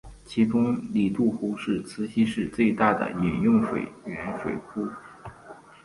其中里杜湖是慈溪市最大的饮用水源水库。